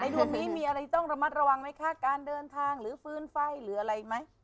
ดวงนี้มีอะไรต้องระมัดระวังไหมคะการเดินทางหรือฟื้นไฟหรืออะไรไหม